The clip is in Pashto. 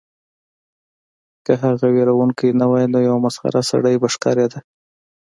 که هغه ویرونکی نه وای نو یو مسخره سړی به ښکاریده